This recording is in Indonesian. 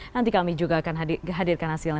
nanti kami juga akan hadirkan hasilnya